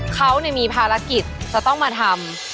เขามีภารกิจจะต้องมาทำ